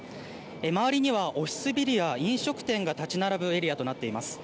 周りにはオフィスビルや飲食店が立ち並ぶエリアとなっています。